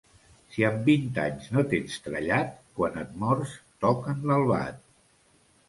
Si amb vint anys no tens trellat, quan et mors toquen l'albat.